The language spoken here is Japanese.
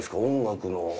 音楽の。